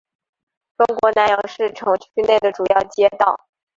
中国南阳市城区内的主要街道。